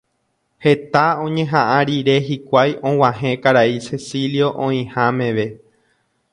Heta oñeha'ã rire hikuái og̃uahẽ karai Cecilio oĩha meve.